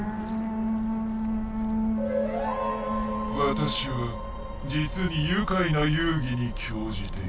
私は実に愉快な遊戯に興じている。